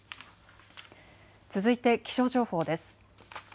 続いて気象情報です。